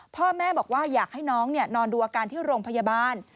พ่อแม่บอกว่าอยากให้น้องนอนดูอาการที่โรงพยาบาล